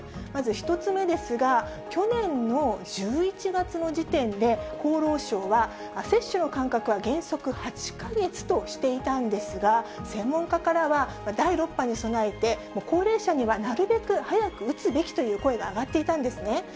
まず１つ目ですが、去年の１１月の時点で、厚労省は、接種の間隔は原則８か月としていたんですが、専門家からは第６波に備えて、高齢者にはなるべく早く打つべきという声が挙がっていたんですね。